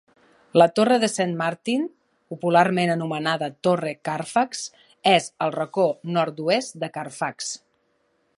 La torre de Saint Martin, popularment anomenada "Torre Carfax", és al racó nord-oest de Carfax.